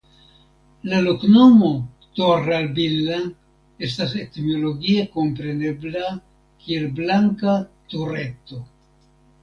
La loknomo "Torralbilla" estas etimologie komprenebla kiel "Blanka Tureto".